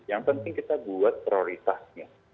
yang penting kita buat prioritasnya